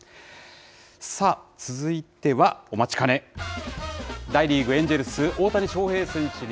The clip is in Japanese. さあ、続いてはお待ちかね、大リーグ・エンジェルス、大谷翔平選